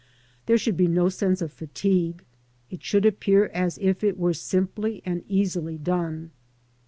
There should be no sense of fatigue; it should appear as if it were simply and easily done.